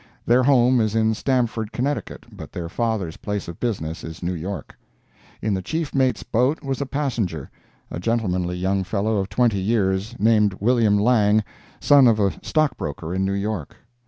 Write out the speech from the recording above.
Their home is in Stamford, Connecticut, but their father's place of business is New York. In the chief mate's boat was a passenger—a gentlemanly young fellow of twenty years, named William Lang, son of a stockbroker in New York.